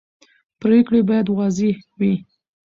پرېکړې باید واضح وي